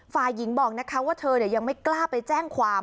ฝ่ายหญิงบอกนะคะว่าเธอยังไม่กล้าไปแจ้งความ